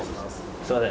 すいません。